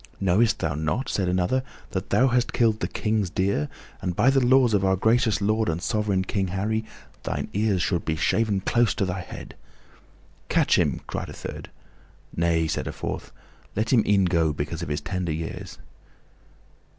"Knowest thou not," said another, "that thou hast killed the King's deer, and, by the laws of our gracious lord and sovereign King Harry, thine ears should be shaven close to thy head?" "Catch him!" cried a third. "Nay," said a fourth, "let him e'en go because of his tender years."